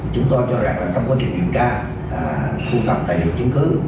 chúng tôi cho rằng trong quá trình điều tra thu thập tài liệu chứng cứ